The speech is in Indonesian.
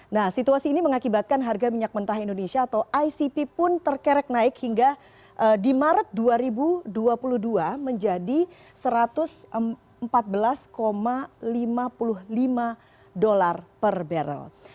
nah situasi ini mengakibatkan harga minyak mentah indonesia atau icp pun terkerek naik hingga di maret dua ribu dua puluh dua menjadi satu ratus empat belas lima puluh lima dolar per barrel